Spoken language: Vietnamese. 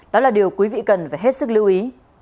đó là điều quý vị cần phải hết sức lưu ý